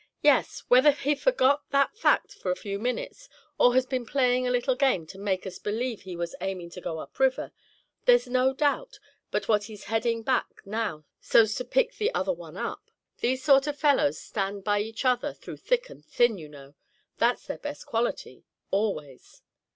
"Yes, whether he forgot that fact for a few minutes, or has been playing a little game to make us believe he was aiming to go up river, there's no doubt but what he's heading back now so's to pick the other one up. These sort of fellows stand by each other through thick and thin, you know; that's their best quality, always."